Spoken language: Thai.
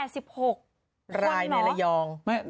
ปิด๑๘๖คนหรอรายในระยอง